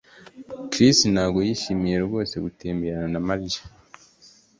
Chris ntabwo yishimira rwose gutemberana na Mariya